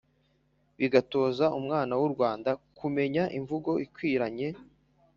bigatoza umwana w’u rwanda kumenya imvugo ikwiranye